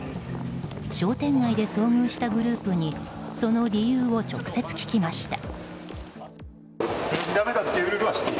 商店街で遭遇したグループにその理由を直接聞きました。